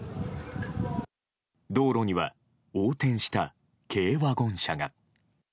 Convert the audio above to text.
道路には、横転した軽ワゴン車が。